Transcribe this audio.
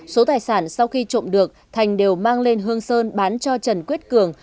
số tài sản sau khi trộm được thành đều mang lên hương sơn bán cho trần quyết cường